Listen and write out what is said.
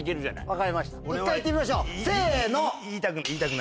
分かりました一回言ってみましょうせの。